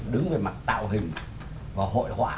đứng về mặt tạo hình và hội họa